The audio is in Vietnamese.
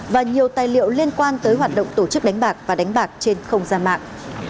và nhiều tài liệu liên quan tới hoạt động tổ chức đánh bạc và đánh bạc trên không gian mạng